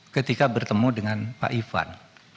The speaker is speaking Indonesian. ketika bertemu dengan pak ivan